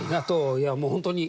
いやもう本当に。